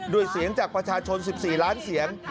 ด้วยเสียงจากประชาชน๑๔ล้านเสียง